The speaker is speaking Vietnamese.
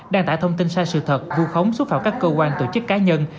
đăng tải thông tin sai sự thật vu khống xúc phạm các cơ quan tổ chức cá nhân